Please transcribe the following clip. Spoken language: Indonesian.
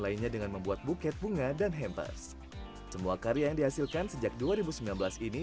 lainnya dengan membuat buket bunga dan hampers semua karya yang dihasilkan sejak dua ribu sembilan belas ini